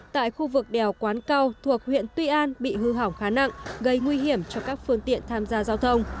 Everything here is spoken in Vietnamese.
tại khu vực đèo quán cao thuộc huyện tuy an bị hư hỏng khá nặng gây nguy hiểm cho các phương tiện tham gia giao thông